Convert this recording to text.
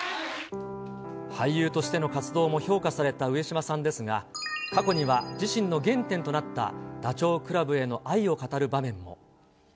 俳優としての活動も評価された上島さんですが、過去には自身の原点となったダチョウ倶楽部への愛を語る場面も。